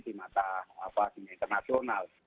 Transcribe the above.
di mata apa hal ini internasional